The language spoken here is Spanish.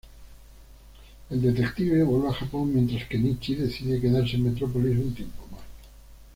El detective vuelve a Japón mientras Kenichi decide quedarse en Metrópolis un tiempo más.